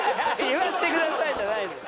「言わせてください」じゃないのよ。